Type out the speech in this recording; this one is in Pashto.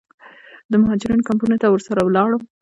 د مهاجرینو کمپونو ته ورسره ولاړم.